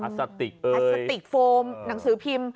พลาสติกโฟมหนังสือพิมพ์